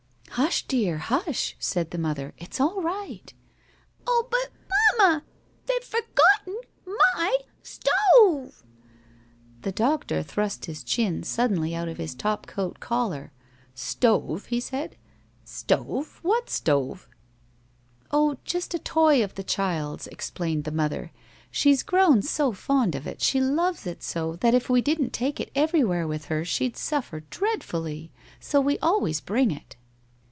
"Hush, dear; hush!" said the mother. "It's all right." "Oh, but, mamma, they've forgotten my stove!" The doctor thrust his chin suddenly out of his top coat collar. "Stove?" he said. "Stove? What stove?" "Oh, just a toy of the child's," explained the mother. "She's grown so fond of it, she loves it so, that if we didn't take it everywhere with her she'd suffer dreadfully. So we always bring it."